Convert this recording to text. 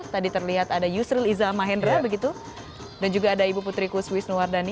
tadi terlihat ada yusril iza mahendra dan juga ada ibu putriku swiss nuwardani